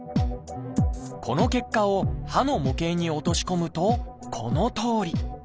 この結果を歯の模型に落とし込むとこのとおり。